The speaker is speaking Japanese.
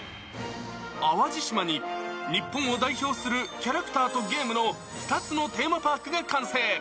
淡路島に日本を代表するキャラクターとゲームの２つのテーマパークが完成。